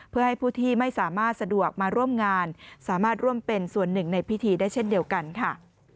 เพื่อให้ผู้ที่ไม่สามารถสะดวกมาร่วมงานสามารถร่วมเป็นส่วนหนึ่งในพิธีได้เช่นเดียวกันค่ะ